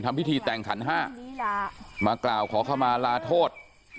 ทำพิธีแต่งขันหามากล่าวขอคำม้าลาโทษ